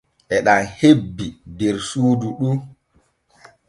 E ɗam hebbi der suudu ɗu.